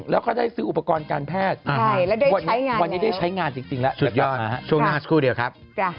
แล้วก็ได้ซื้ออุปกรณ์การแพทย์วันนี้ได้ใช้งานจริงแล้วสุดยอดช่วงหน้าสักครู่เดียวครับ